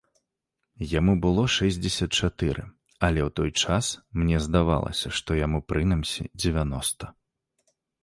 Яму было шэсцьдзесят чатыры, але ў той час мне здавалася, што яму прынамсі дзевяноста.